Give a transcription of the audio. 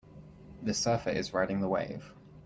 The surfer is riding the wave.